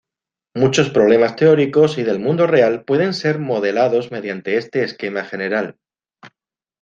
Muchos problemas teóricos y del mundo real pueden ser modelados mediante este esquema general.